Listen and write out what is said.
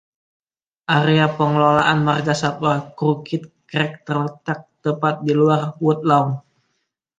Area Pengelolaan Margasatwa Crooked Creek terletak tepat di luar Woodlawn.